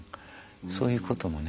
そういうこともね